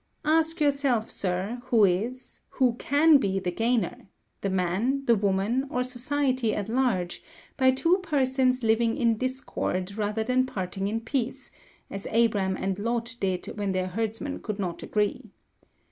Ask yourself, sir, who is who can be the gainer the man, the woman, or society at large by two persons living in discord rather than parting in peace, as Abram and Lot did when their herdsmen could not agree.